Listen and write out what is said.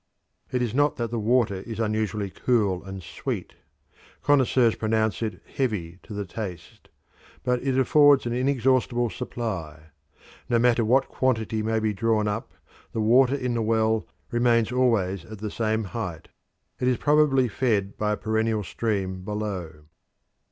It is not that the water is unusually cool and sweet connoisseurs pronounce it "heavy" to the taste but it affords an inexhaustible supply. No matter what quantity may be drawn up, the water in the well remains always at the same height. It is probably fed by a perennial stream below.